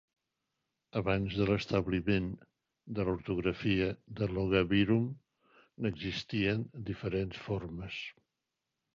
Abans de l'establiment de l'ortografia de 'Logabirum', n'existien diferents formes.